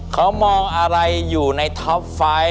เขามองอะไรอยู่ในท็อปไฟต์